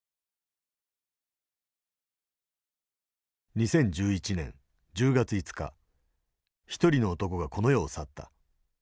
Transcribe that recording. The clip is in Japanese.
２０１１年１０月５日一人の男がこの世を去った。